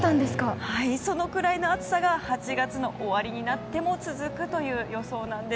そのくらいの暑さが８月の終わりになっても続くという予想なんです。